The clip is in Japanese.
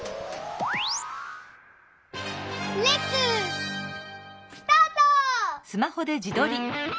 レッツスタート！